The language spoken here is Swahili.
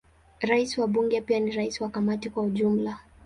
Rais wa Bunge pia ni rais wa Kamati kwa ujumla.